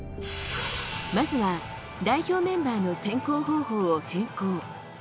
まずは代表メンバーの選考方法を変更。